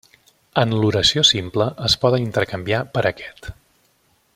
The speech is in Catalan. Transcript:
En l'oració simple i es poden intercanviar per aquest.